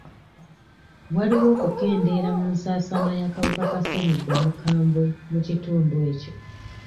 Waliwo okukendeera mu nsaasaana y'akawuka ka ssenyiga omukambwe mu kitundu ekyo.